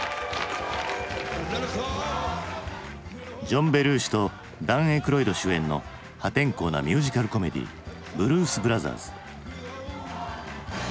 ジョン・ベルーシとダン・エイクロイド主演の破天荒なミュージカル・コメディー「ブルース・ブラザース」。